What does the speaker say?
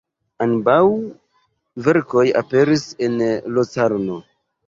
Ambaŭ verkoj aperis en Locarno.